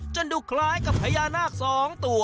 จนดูคล้ายกับพญานาคสองตัว